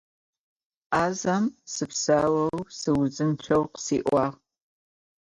azem sıpsaou, sıuzınççeu khısi'uağ